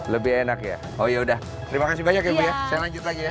lebih enak ya oh ya udah terima kasih banyak ibu ya saya lanjut lagi ya